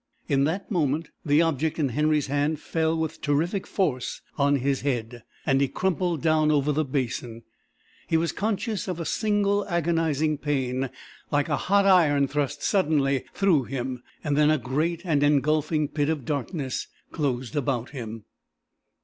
In that moment the object in Henry's hand fell with terrific force on his head and he crumpled down over the basin. He was conscious of a single agonizing pain, like a hot iron thrust suddenly through him, and then a great and engulfing pit of darkness closed about him.